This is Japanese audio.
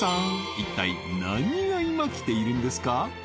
一体何が今きているんですか？